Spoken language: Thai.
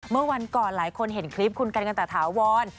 เมื่อวันก่อนหลายคนเห็นคลิปคุณกันกันตะถาวร